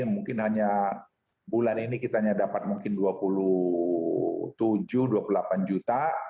mungkin hanya bulan ini kita hanya dapat mungkin dua puluh tujuh dua puluh delapan juta